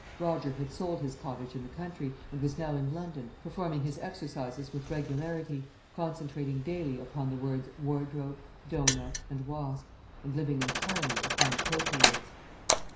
Roger had sold his cottage in the country and was now in London, performing his exercises with regularity, concentrating daily upon the words "wardrobe," "dough nut," and "wasp," and living entirely upon proteids.